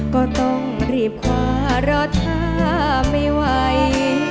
ก็ต้องรีบขวารถทัวร์ไม่ไหว